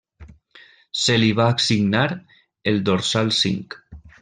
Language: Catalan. Se li va assignar el dorsal cinc.